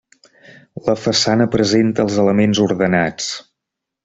La façana presenta els elements ordenats.